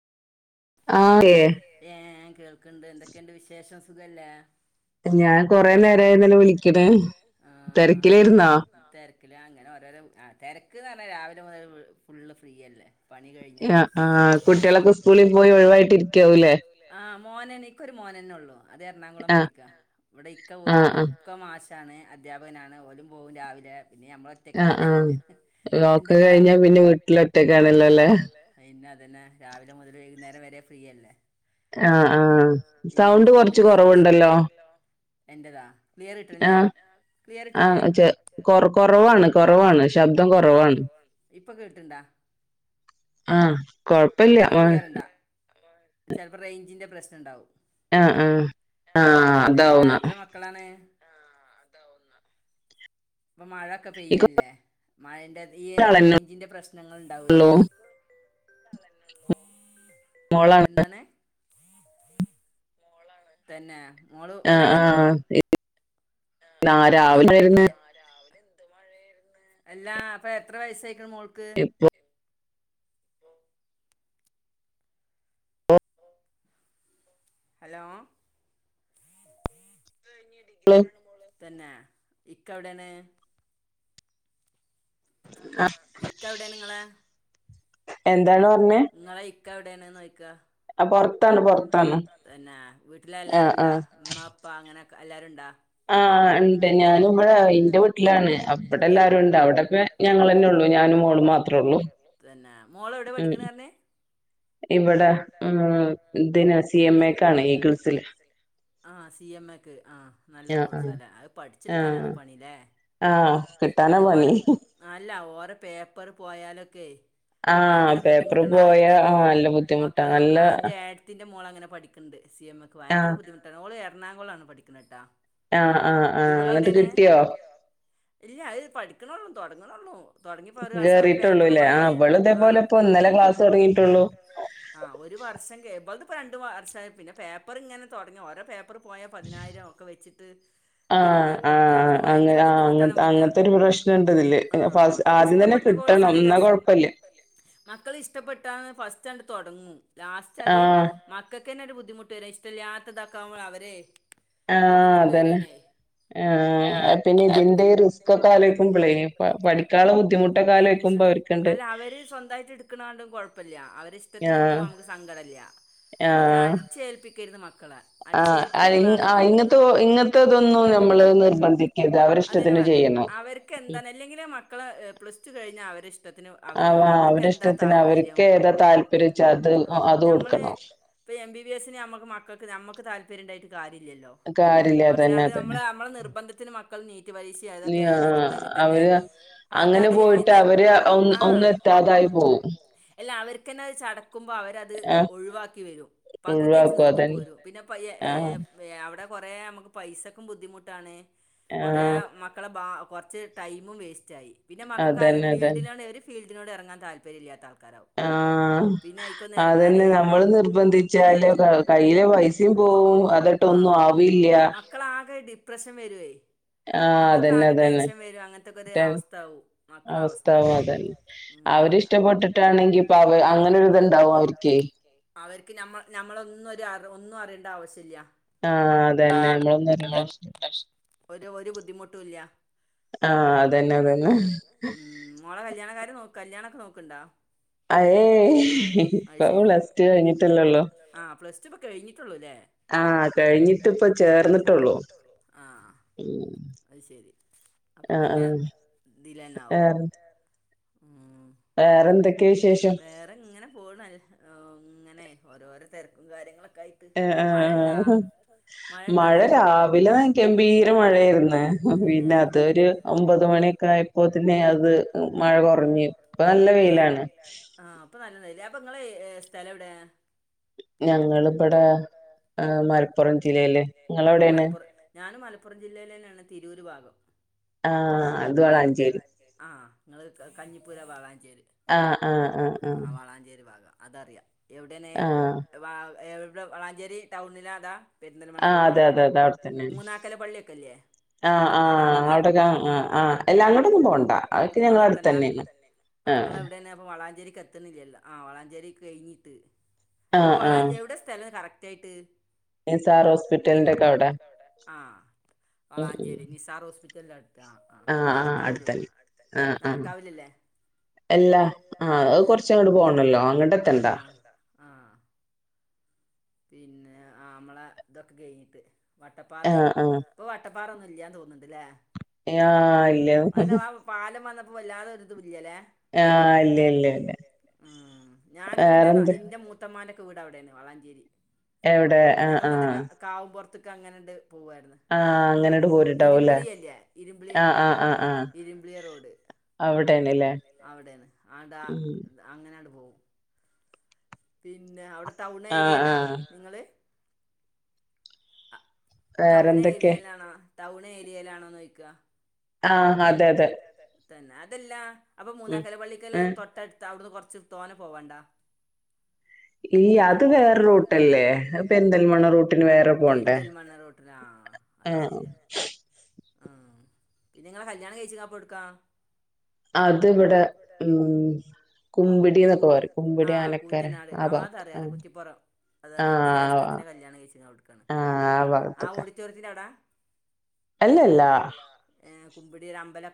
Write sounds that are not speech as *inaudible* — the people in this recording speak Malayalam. ആക്കെ കേൾക്കണ്ട് എന്തൊക്കെയുണ്ട് വിശേഷം സുഖല്ലേ? ഞാൻ കൊറെ നേരമായിന്നന്നെ വിളിക്ണ് ആഹ തിരക്കില് അങ്ങനെ ഓരോരോ തിരക്ക്ന്ന് പറഞ്ഞ രാവിലെ മുതൽ ഫുള്ള് ഫ്രീ അല്ലേ ആ ആ കുട്ടികളൊക്കെ സ്കൂളിൽ പോയി ഒഴിവായിട്ടിരിക്കാവൂല്ലേ മോനിക്കൊ ഒരു മോനനെള്ളു അത് എറണാകുളം പഠിക്ക ഇവിടെ ഇക്ക വർ ഇക്ക മാഷ് അച്ചാണ് അധ്യാപകനാണ് ഓലും പോകും രാവിലെ അ അ ളോക്ക് കഴിഞ്ഞാ പിന്നെ വീട്ടിലറ്റക്കാണല്ലോല്ലേ അതന്നെ രാവിലെ മുതൽ വൈകുന്നേരം വരെ ഫ്രീയല്ലേ ആ ആഹ് സൗണ്ട് കുറച്ച് കൊറവുണ്ടല്ലോ എന്റതാ ക്ലിയർ കിട്ടണില്ല ആഹ കൊ കൊറവാണ് കുറവാണ് ശബ്ദം കുറവാണ് ആഹ് കൊഴപ്പില്ല ആ ചിലപ്പോ റേഞ്ചിന്റെ പ്രശ്നം ഉണ്ടാവും അ അ അ അതാവുന്ന അപ്പം മഴൊക്കെ പെയ്യല്ലേ മഴ് ഈ റേഞ്ചിൻന്റെ പ്രശ്നങ്ങൾ ഉണ്ടാവയേ എന്താണ് തന്നെ ആ ആഹ നാ രാവിലെരുന്നു അല്ലാ അപ്പൊ എത്ര വയസായിക്കണ മോൾക്ക് ഹലോ തന്നെ ഇക്ക എവിടയന്ന ആ ഇക്ക എവിടെയ നിങ്ങളെ എന്താണ് പറഞ്ഞേ നക്ക എവിടെയാണ്െന്ന് നോക്കുക എന്നന്നെ വീട്ടില എല്ലരുുംണ്ടാ ഉമ്മ അപ്പ അങ്ങനെ എല്ലാവരുണ്ടോ ആഹ ഉണ്ട് ഞാനമ്മടെ എറെട്ട വീട്ടിലാണ് അവിടെ എല്ലാരും ഉണ്ട് അവിടെപ്പ ഞങ്ങന്നെ ഉള്ള ഞാനും മോളും മാത്രേ ഉള്ളൂ മോള എവിടെ പഠിക്കണായിാരുന്നേ ഇവിടെ ഉ ഇതിനന് സി എം എക്കാണ് ഈഗിൾസിില് ആ സി എം എക്ക് ആഹ നല്ല കോഴ്സ് അല്ലേ അത് പഠിച്ചെടുക്കാനാണ് പണില്ലേ ആഹ കിട്ടാന പണി അല്ല ഓര പേപ്പർ പോയാലൊക്കെ ഭയങ്കര ബുദ്ധിമുട്ടാണ് ആയിരത്തിഞ്ഞൂറ് മക്കള് ആ അതിറെ ആഴത്തിന്റെ മോൾ അങ്ങനെ പഠിക്കുന്നുണ്ട് സി എം എക്ക് ഭയങ്കര ബുദ്ധിമുട്ടാണ് ഓള് എറണാകുളംാണ് പഠിക്കുന്നത്ട്ടാ ആഹ് ആഹ് ആഹ് എന്നിട്ട് കിട്ടിയോ ഇല്ല അതിത് പഠിക്കണള്ളും തുടങ്ങണള്ളോ കേറിട്ടുള്ളൂല്ലേ അവള ഇതേപോലെ ഇപ്പ ഇന്നലെ ക്ലാസ് തുടങ്ങിയിട്ടുള്ളു ആ ഒരു വർഷം കേബള ഇപ്പ രണ്ടു വർഷ പിന്നെ പേപ്പർ ഇങ്ങനെ തുടങ്ങ ഓരോ പേപ്പർ യ പതിനായിരക്കെ വെച്ചി കൊടു അനെ ഭയ അങ്ങ അങ്ങനത്തെ ഒരു പ്രശ്നം ഇണ്ട്തിേ ആദ്യം തന്നെ കിട്ടണം എന്നാ കൊഴപ്പില്ലേ മക്കൾ ഇഷ്ടപ്പെട്ടാ ഫസ്റ്റ്ണ്ട് തുടങ്ങും ലാസ്റ്റ് അത് മക്ക െ ഒരു ബുദ്ധിമുട്ട്ര ഇഷ്ടമല്ലാത്തതാക്കാവോ അവരെ ആഹ അതന്നെ ആഹ പിന്നെ ഇതിന്റെ റിസ്ക്ക്കൊലം വെക്കുമ്പോളേ പഠിക്കാനുള്ള ബുദ്ധിമുട്ട കാലം വയ്ക്കുമ്പോ അവർക്കുണ്ട് ട്ട് എണഴപ്പില്ല അവ ഇഷ്ടത്തിന്ടു്പോ മച്ച അടിച്ചേൽപ്പിക്കരുുന്ന മക്കള ആ ആ ഇങ്ങത്തെ ഇങ്ങനത്തെ ഇതൊന്നും നഞമ്മള് നിർബന്ധിക്കത് അതന്നെ പറഞ്ഞത് അവർക്ക് എന്താണ് അല്ലെങ്കില മക്കള് പ്ലസ് ടു കഴിഞ്ഞാ അവരെഷ്ട അവ അവരിഷ്ടത്തിന് അവർക്ക് ഏതാ താല്പര്യച്ച അത് അത് കൊടുക്കണോ ഇപ്പ എം ബി ബി എസിന് നമ്മുക്ക് മക്കക്ക് നമക്ക് താല്പര്യം ഉണ്ടായി് കാര്ല്ലല്ലോ പക്ഷെ അത് നമ്മ നമ്മളെ നിർബന്ധത്തിന് മക്കൾ നീ ന അവര് അങ്ങനെ പോയിട്ട് അവര് ഒ ഒന്ന എത്താതായി പോ അല്ല അവർക്ക്ന്നെ ചട നക്കുമ്പോൾ അവരത് ഒഴിവാക്കി വരും പകുതി വെച്ച് നിർത്തിപ്പോ വരും പിന്നെ അവിടെ കൊറ നുക്ക് പൈസക്കും ബുദ്ധിമുട്ടാണ് കുറ മക്കളെ കുറച്ച് ടൈമും വേസ്റ്റ് ആായി പിന്നെ മക്കൾക്ക് ആ ഫീൽഡിനോ ഒരു ഫീൽഡിനോട് ഇറങ്ങാൻ താല്പര്യമില്ലാത്ത അവ ആഹ അതന്നെ നമ്മള് നിർബന്ധിച്ച അല്ല കയ്യില പൈസയും പോ അതട്ടൊന്നും ആവില്ല ഡിപ്രഷൻ വരും മക്കൾക്ക് ആകെ ടെൻഷൻ വരും അങ്ങനത്തക്കെ ഒരു അവസ്ഥ ആകവും മക്കള അവസ്ഥ അവരിഷ്ടപപ്പെട്ടിട്ടാണെങ്കി ഇപ്പ അവ അങ്ങനെ ഒരു ഇതുണ്ടാവും അവർക്ക് അവർക്ക് നമ്മ നമ്മള ഒന്നും ഒന്നും അറിയേണ്ട ആവശ്യം ഇല്ല ആഹ അത തന്നെ നമ്മളൊന്നുംേണ്ടാവശ്യ ഒരു ഒരു ബുദ്ധിമുട്ടുംല്ല ഉ മോളെ കല്യാണകാര് കല്യാണൊക്കെ നോക്കണ്ടോ അയയ് ഇപ്പൊ പ്ലസ്ടു കഴിഞ്ഞിട്ടല്ലള്ളോ ഇപ്പ കഴിഞ്ഞി ആ കഴിഞ്ഞിട്ടിപ്പൊ ചേർന്ന്ട്ടൊള്ളൂ അത് ശെരി അപ്പൊ പിന്നെ ഇതിലെന്നാവും വേറെന്തൊക്കെയാ വിശേഷം ഇങ്ങനെ ഓരോരോ തിരക്കും കാര്യങ്ങളൊ ആ ആ മഴ രാവിലെ കെമ്പി മഴേയിരുന്നേ പിന്നെ അത് ഒരു ഒമ്പത് മണിയൊക്കെ ആയപ്പോത്തിന് അത് മഴ കൊറഞ്ഞ ഇപ്പൊ നല്ല വെയിലാണ് പ്പോ നല്ല വെയ്ല് അപ്പൊ ങ്ങളെ സ്ഥലം എവിടെ ഞങ്ങിവിടെ മലപ്പുറം ജില്ലേല് ങ്ങളെവിടെണ് മലപ്പുറം ജില്ലേലെന്നെണ് തിരൂര് ഭാഗം ആ അത് വളാഞ്ചേരി നിങ്ങൾ കഞ്ഞിപ്പുര വളാ ആ ആ ആ ആ അതറിയാ എവിടെണ് വ എവിടെ വളാഞ്ചേരി ടൗണിലാ അതാ അതെ തെ തെ അവ്ട്ത്തെന്നേണ് ക്കലെ പള്ളിക്കല്ലേ ആ ആ അവിടൊക്കെ ആ ആ് എല്ലാം അങ്ങോട്ടൊന്നും പോണ്ട അതൊക്കെ ഞങ്ങളെടുത്തന്നെണ് അപ്പൊ ങ്ങള് എവിടേണ് അപ്പൊ വളാഞ്ചേരി ക്ക്ത്ത്ണില്ലല്ലോ ആ വളാഞ്ചേരി കഴിഞ്ഞിട്ട് അപ്പൊ വളാ എവിടെ സ്ഥലം കറക്റ്റായിട്ട് നിസാർ ഹോസ്പിറ്റലിന്റെ ഒക്കെ അവടെ വളാഞ്ചേരി നിസാർ ഹോസ്പിറ്റല ആ ആ അവ്ത്തെന്നെ ആ ആ എല്ലാ ആ കൊറച്ച് അങ്ങോട്ട് പോണല്ലോ അങ്ങോട്ട് എത്തണ്ടാ *unintelligible* പിന്നെ ആമ്മളെ ഇതൊക്കെ കഴിഞ്ഞിട്ട് വട്ടപ്പാറ ഇപ്പൊ വട്ടപ്പാറൊന്നുംല്ലന്ന് തോന്ന്ണ്ട് ആ ഇല്ല വല്ലതൊരു ഇത് ഇല്ല ലെ അ ല്ല ല്ല ആ ഞാനിന്റെ ന മൂത്തമാടെ ക്ക് വീട് അവ്ടേണ് വളാഞ്ചേരി എവിടെ ആ ആ തൊക്കെ അങ്ങനണ്ട് പോവായിര്ന്ന് ഇരുമ്പിളിയല്ലേ ഇരുമ്പിളിയാ ഇരുമ്പിളിയ റോഡ് അവിടെണ് ലെ അവിടെ അങ്ങനെങ്ങട്ട് പോവും പിന്നെ അവിടെ ടൗൺ ഏരിയല്ലാ ങ്ങള് ടൗൺ ഏരിയയിലാണോ ടൗൺ ഏരിയയിലാണോ ചോയ്ക്ക ആ അതെ അതെ തന്നെ അതല്ല അപ്പൊ മൂന്നാക്കൽ പള്ളിക്കല് തൊട്ടടുത്ത് അവിടുന്ന് കൊറ റച്ച് തോനെ പോവാണ്ടോ അത് വേറെ റൂട്ടല്ലേ അത് പെരിന്തൽമണ്ണ റൂട്ടിന് വേറെ പോണ്ടേ ആ ആ പിന്നെ ങ്ങളെ കല്യാണം കഴിച്ചീനെ അപ്പെവ്ട്ക്ക അത് ഇവിടെ ഉം കുമ്പിടിന്നൊക്കെ പറയും കുമ്പിടി ആനക്കാര ആ ഭാഗത്ത് ആ റ്റിപ്പുറം അതറിയോ ന്റെ ജേഷ്ഠത്തിനെ കല്യാണം കഴിച്ചീനെ അവിടുക്കാണ് ആ ഓടിറ്റോറിയത്തിന്റവടാ അല്ലല്ലാ കുമ്പിടി ഒരമ്പലം